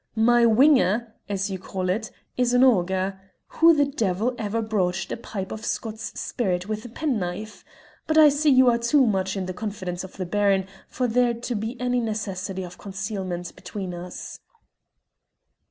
"My whinger, as you call it, is an auger: who the devil ever broached a pipe of Scots spirits with a penknife? But I see you are too much in the confidence of the Baron for there to be any necessity of concealment between us."